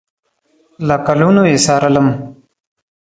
له کلونو یې څارلم